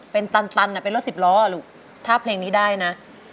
เป็นตันเป็นรถสิบล้อลูกถ้าเพลงนี้ได้นะ